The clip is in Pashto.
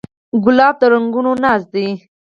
ګلاب د رنګونو ناز دی.